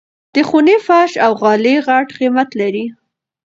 د خوني فرش او غالۍ غټ قيمت لري.